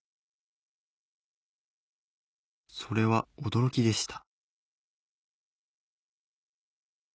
それは驚きでした